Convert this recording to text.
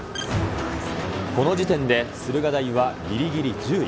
この時点で駿河台はぎりぎり１０位。